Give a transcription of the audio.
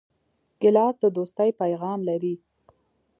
ګیلاس د دوستۍ پیغام لري.